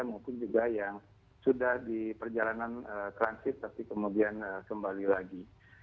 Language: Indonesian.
maupun juga yang sudah di perjalanan transit tapi kemudian kembali lagi